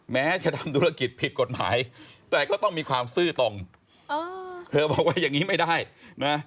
แม้จะทำธุรกิจผิดกฎหมายแต่ก็ต้องมีความซื่อตรงเออเธอบอกว่าอย่างนี้ไม่ได้นะ